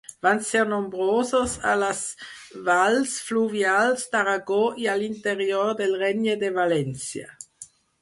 Van ser nombrosos a les valls fluvials d'Aragó i a l'interior del Regne de València.